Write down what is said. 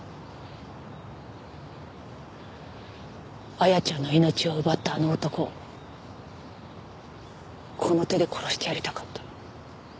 綾ちゃんの命を奪ったあの男をこの手で殺してやりたかった。